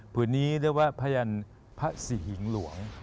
พื้นนี้เรียกว่าพระยันทร์พระสิหิงหลวง